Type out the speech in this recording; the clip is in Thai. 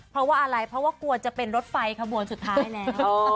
เพราะว่าอะไรเพราะว่ากลัวจะเป็นรถไฟขบวนสุดท้ายแล้ว